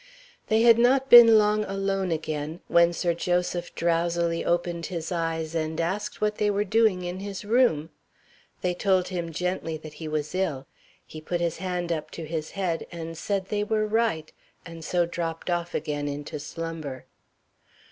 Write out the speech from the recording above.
They had not been long alone again, when Sir Joseph drowsily opened his eyes and asked what they were doing in his room. They told him gently that he was ill. He put his hand up to his head, and said they were right, and so dropped off again into slumber.